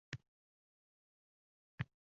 Barcha ayalardan chiroyli edi.